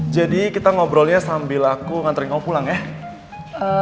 jadi kita ngobrolnya sambil aku anterin kamu pulang ya